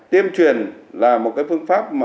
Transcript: tiêm truyền là một cái biên chức xảy ra